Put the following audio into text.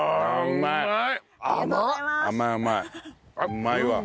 うまいわ。